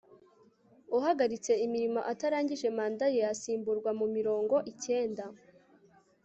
uhagaritse imirimo atarangije manda ye asimburwa mu mirongo icyenda